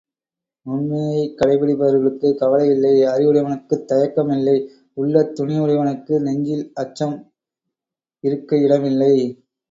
உண்மையைக் கடைப்பிடிப்பவர்களுக்கு கவலை இல்லை அறிவுடையவனுக்குத் தயக்கம் இல்லை உள்ளத் துணிவுடையவனுக்கு நெஞ்சில் அச்சம் இருக்கயிடமில்லை.